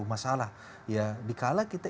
masalah ya dikala kita